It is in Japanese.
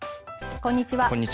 こんにちは。